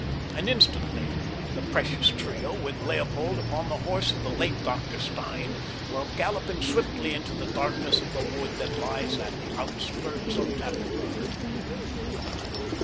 An instant later the precious trio, with Leopold upon the horse of the late Dr. Stein, were galloping swiftly into the darkness of the wood that lies at the outskirts of Tafelberg.